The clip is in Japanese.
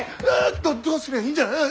どどうすりゃいいんじゃ！